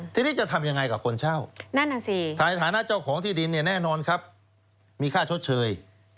ที่นี้จะทำอย่างไรกับคนเช่าฐานาจ้าของที่ดินแน่นอนมีค่าชดเชย